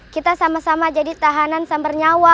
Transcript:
kita sama sama jadi tahanan sambar nyawa